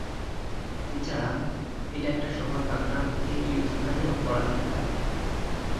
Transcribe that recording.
এছাড়া, এটা একটা শহর বা গ্রামের কেন্দ্রীয় স্থানেও পড়া যেতে পারে।